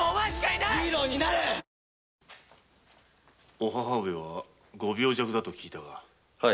お母上はご病弱と聞いたが？